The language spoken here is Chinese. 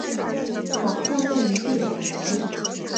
广泛布于热带地区。